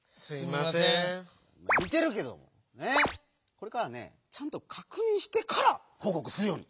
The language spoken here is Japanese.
これからはねちゃんとかくにんしてからほうこくするように！